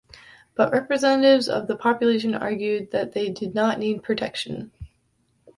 But representatives of the population argued that they did not need protection.